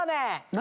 何？